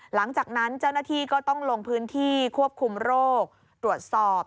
หลังจากนั้นเจ้าหน้าที่ก็ต้องลงพื้นที่ควบคุมโรคตรวจสอบ